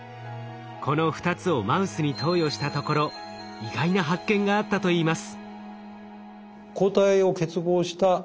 この２つをマウスに投与したところ意外な発見があったといいます。